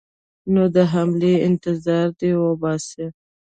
نو د حملې انتظار دې وباسي.